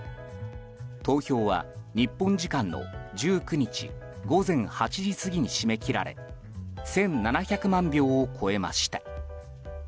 投票は、日本時間の１９日午前８時過ぎに締め切られ１７００万票を超えました。